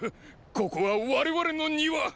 ここは我々の庭！